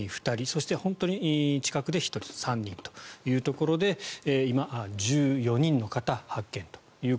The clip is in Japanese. そして、本当に近くで１人３人というところで今、１４人の方が発見と。